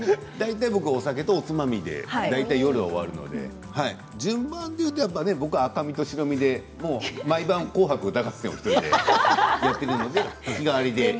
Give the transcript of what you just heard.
僕は、お酒とおつまみで夜は終わるので順番でいうと僕は赤身と白身で毎晩「紅白歌合戦」を１人でやっているので日替わりで。